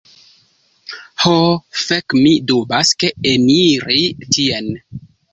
Ho fek' mi dubas, ke eniri tien